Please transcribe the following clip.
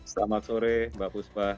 selamat sore mbak fuspa